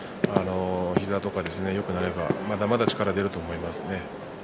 膝とかよくなれば、まだまだ力が出ると思いますね。